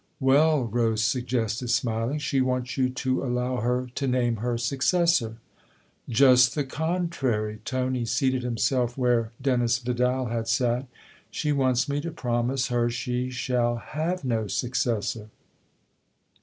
"Well," Rose suggested, smiling, "she wants you to allow her to name her successor." " Just the contrary !" Tony seated himself where Dennis Vidal had sat. " She wants me to promise her she shall have no successor."